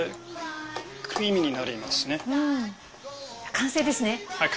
完成ですね？